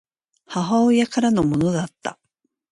母親からのものだった